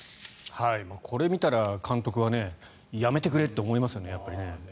これを見たら監督はやめてくれって思いますよね。